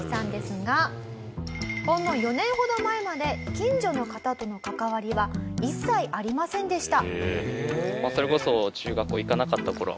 ほんの４年ほど前まで近所の方との関わりは一切ありませんでした。